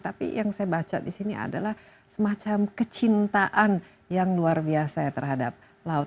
tapi yang saya baca di sini adalah semacam kecintaan yang luar biasa ya terhadap laut